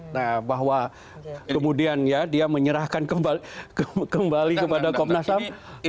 nah bahwa kemudian ya dia menyerahkan kembali kepada komnas ham